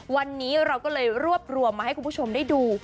วันนี้เราก็เลยรวบรวมมาให้คุณผู้ชมได้ดู